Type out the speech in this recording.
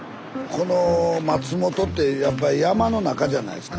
この松本ってやっぱり山の中じゃないですか。